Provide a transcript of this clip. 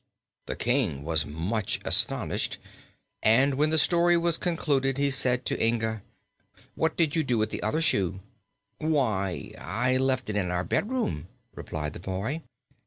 The King was much astonished, and when the story was concluded he said to Inga: "What did you do with the other shoe?" "Why, I left it in our bedroom," replied the boy.